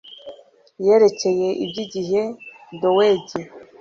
yerekeye iby'igihe dowegi